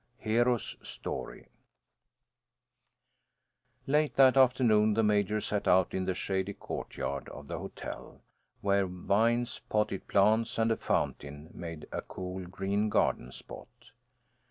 HERO'S STORY Late that afternoon the Major sat out in the shady courtyard of the hotel, where vines, potted plants, and a fountain made a cool green garden spot.